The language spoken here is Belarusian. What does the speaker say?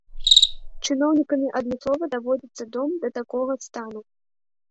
Чыноўнікамі адмыслова даводзіцца дом да такога стану.